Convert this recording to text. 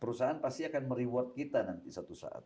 perusahaan pasti akan mereward kita nanti satu saat